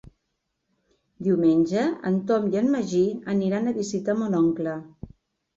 Diumenge en Tom i en Magí aniran a visitar mon oncle.